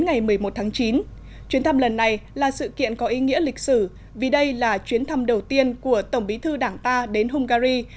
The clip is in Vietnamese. ngày một mươi một tháng chín chuyến thăm lần này là sự kiện có ý nghĩa lịch sử vì đây là chuyến thăm đầu tiên của tổng bí thư đảng ta đến hungary